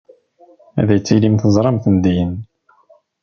Ad tilim teẓram-ten din.